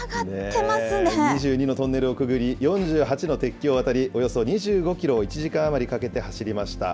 ２２のトンネルをくぐり、４８の鉄橋を渡り、およそ２５キロを１時間余りかけて走りました。